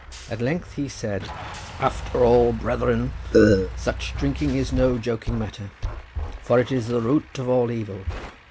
At length he said— "After all, brethren, such drinking is no joking matter, for it is the root of all evil.